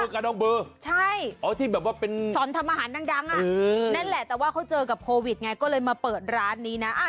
กาโดงเบลอที่สอนทำอาหารดังนั่นแหละแต่ว่าเขาเจอกับโควิดไงก็เลยมาเปิดร้านนี้นะ